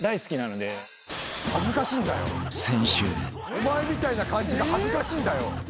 お前みたいな感じが恥ずかしいんだよ。